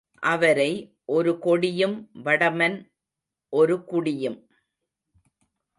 அவரை ஒரு கொடியும் வடமன் ஒரு குடியும்.